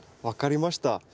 分かりました。